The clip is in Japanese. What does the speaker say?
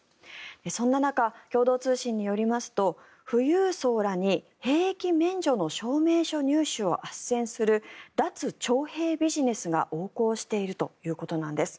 そんな中、共同通信によりますと富裕層らに兵役免除の証明書入手をあっせんする脱徴兵ビジネスが横行しているということなんです。